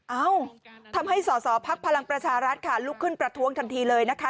เอ้าทำให้สอสอภักดิ์พลังประชารัฐค่ะลุกขึ้นประท้วงทันทีเลยนะคะ